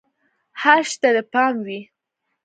هر شي ته دې پام وي!